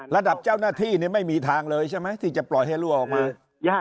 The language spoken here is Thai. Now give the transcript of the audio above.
ระดับเจ้าหน้าที่ไม่มีทางเลยใช่ไหมที่จะปล่อยให้รั่วออกมายาก